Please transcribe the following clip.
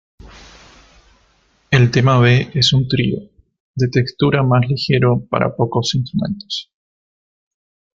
El tema "B" es un trío, de textura más ligero para pocos instrumentos.